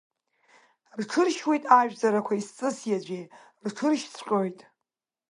Рҽыршьуеит ажәҵарақәеи сҵыс иаҵәеи, рҽыршьҵәҟьоит…